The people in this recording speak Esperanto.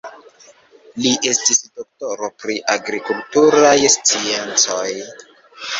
Li estis doktoro pri agrikulturaj sciencoj.